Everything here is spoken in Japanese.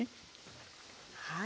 はい。